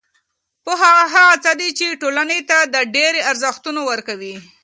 پوهه هغه څه ده چې ټولنې ته د ډېری ارزښتونه ورکوي.